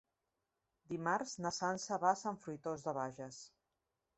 Dimarts na Sança va a Sant Fruitós de Bages.